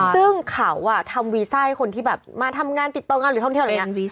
ซึ่งเขาทำวีซ่าให้คนที่แบบมาทำงานติดต่องานหรือท่องเที่ยวอะไรอย่างนี้